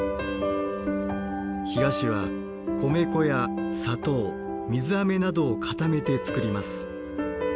干菓子は米粉や砂糖水あめなどを固めて作ります。